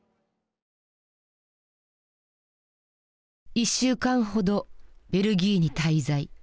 １週間ほどベルギーに滞在。